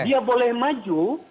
dia boleh maju